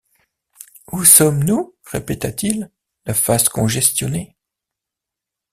Où sommes-nous? répéta-t-il, la face congestionnée.